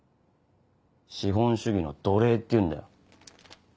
資本主義の奴隷っていうんだよ。